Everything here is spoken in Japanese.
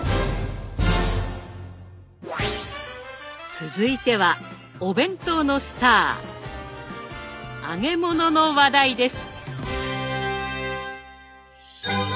続いてはお弁当のスター揚げ物の話題です。